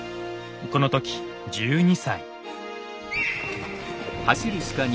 この時１２歳。